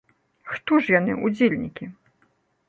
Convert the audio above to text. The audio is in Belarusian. Хто ж яны, удзельнікі?